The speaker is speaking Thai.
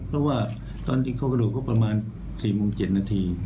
เพราะว่าตอนที่เขากระโดดก็ประมาณ๔โมง๗นาที